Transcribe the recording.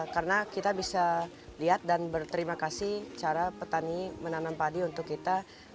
karena kita bisa lihat dan berterima kasih cara petani menanam padi untuk kita